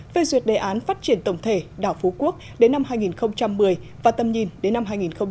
về duyệt đề án phát triển tổng thể đảo phú quốc đến năm hai nghìn một mươi và tầm nhìn đến năm hai nghìn ba mươi